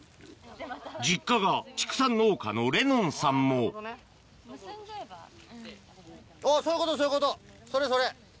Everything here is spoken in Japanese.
実家が畜産農家の恋音さんもおっそういうことそういうことそれそれ。